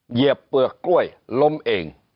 เหยียบเปลือกกล้วยล้มเอง